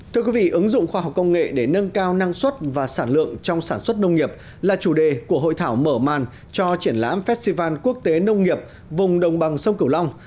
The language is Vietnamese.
thưa quý vị ứng dụng khoa học công nghệ để nâng cao năng suất và sản lượng trong sản xuất nông nghiệp là chủ đề của hội thảo mở màn cho triển lãm festival quốc tế nông nghiệp vùng đồng bằng sông cửu long